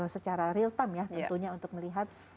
secara real time ya tentunya untuk mencari data yang berbeda ya